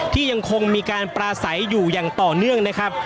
ยังคงมีการปราศัยอยู่อย่างต่อเนื่องนะครับ